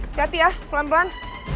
hati hati ya pelan pelan